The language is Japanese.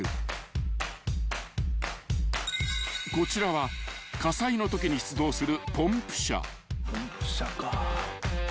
［こちらは火災のときに出動する］